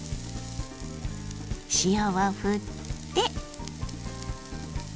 塩をふって。